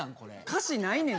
歌詞ないねんて。